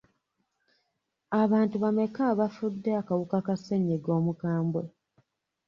Abantu bameka abafudde akawuka ka ssennyiga omukambwe?